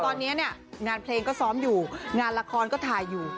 ตอนนี้เนี่ยงานเพลงก็ซ้อมอยู่งานละครก็ถ่ายอยู่